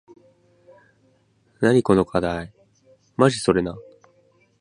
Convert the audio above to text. なにこのかだい